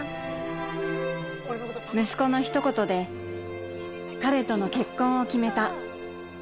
息子のひと言で彼との結婚を決めた